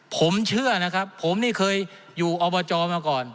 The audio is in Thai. ผมเชื่อนะครับผมนี่เคยอยู่อบจมาก่อน